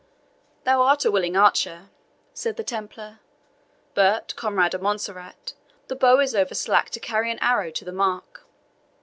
"Thou art a willing archer," said the Templar; "but, Conrade of Montserrat, thy bow is over slack to carry an arrow to the mark."